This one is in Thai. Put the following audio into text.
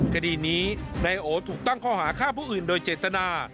คดีนี้นายโอถูกตั้งข้อหาฆ่าผู้อื่นโดยเจตนา